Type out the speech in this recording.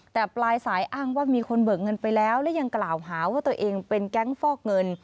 แต่ปลายสายอ้างว่ามีคนเบิกเงินไปแล้วและยังกล่าวหาว่าตัวเองเป็นแก๊งฟอกเงิน